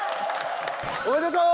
おめでとう！